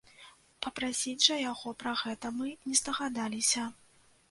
Папрасіць жа яго пра гэта мы не здагадаліся.